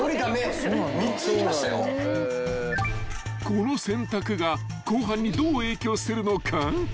［この選択が後半にどう影響するのか］